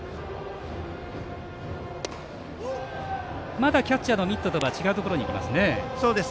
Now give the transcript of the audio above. まだキャッチャーのミットとは違うところにいきますね。